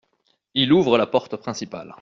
Il ouvre la porte principale.